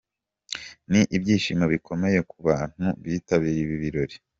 Ni ibyishimo bikomeye ku bantu bitabiriye ibi birori.